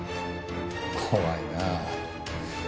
怖いなぁ。